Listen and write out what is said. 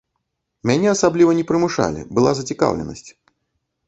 Мяне асабліва не прымушалі, была зацікаўленасць.